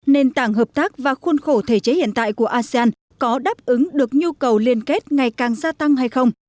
nền tảng hợp tác và khuôn khổ thể chế hiện tại của asean có đáp ứng được nhu cầu liên kết ngày càng gia tăng hay không